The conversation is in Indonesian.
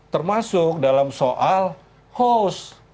termasuk dalam soal host